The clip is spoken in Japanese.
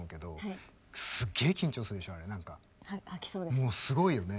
もうすごいよね。